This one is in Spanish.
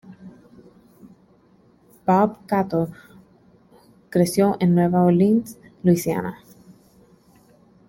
Bob Cato creció en Nueva Orleans, Luisiana.